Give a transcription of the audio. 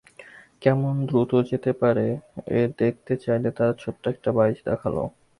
কেমন দ্রুত যেতে পারে দেখতে চাইলে তারা ছোট্ট একটা বাইচ দেখাল।